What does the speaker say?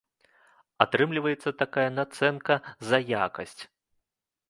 Атрымліваецца такая нацэнка за якасць!